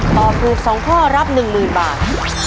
ตอบถูก๒ข้อรับ๑๐๐๐บาท